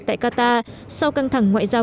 tại qatar sau căng thẳng ngoại giao